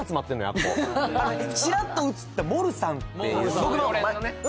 あっこチラッと映ったモルさんっていう僕の前のね